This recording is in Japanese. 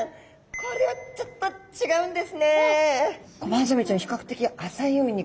これはちょっと違うんですね。